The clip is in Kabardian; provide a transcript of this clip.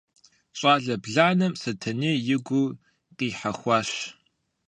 Щӏалэ бланэм Сэтэней и гур къихьэхуащ.